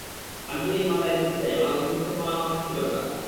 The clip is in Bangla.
আমি যদি এই মামলায় জিততে চাই, আমার উপযুক্ত প্রমাণ ও সাক্ষী দরকার।